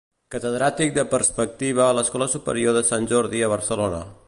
Catedràtic de Perspectiva a l'Escola Superior Sant Jordi a Barcelona.